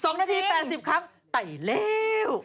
๒นาที๘๐ครั้งไต่แล้ว